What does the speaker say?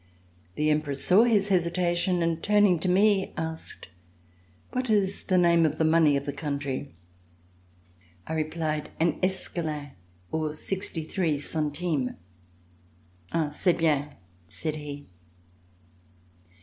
The Emperor saw his hesitation, and turning to me asked: "What is the name of the money of the country.^" I replied: "An escalin, or sixty three centimes." "Ah! c'est bien," said he.